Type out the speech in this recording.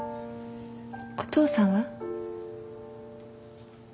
お父さんは？